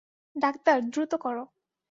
Doctor, দ্রুত কর!